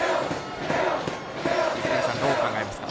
泉田さん、どう考えますか？